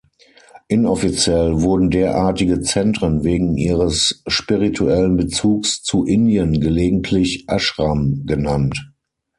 Inoffiziell wurden derartige Zentren wegen ihres spirituellen Bezugs zu Indien gelegentlich "Ashram" genannt.